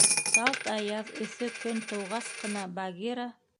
Салт аяҙ, эҫе көн тыуғас ҡына Багира: